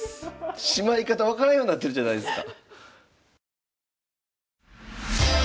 しまい方分からんようなってるじゃないですか。